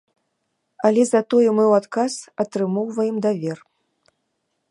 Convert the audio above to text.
Але затое мы ў адказ атрымоўваем давер.